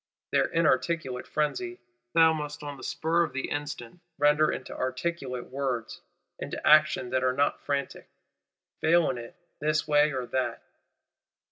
Their inarticulate frenzy thou must on the spur of the instant, render into articulate words, into actions that are not frantic. Fail in it, this way or that!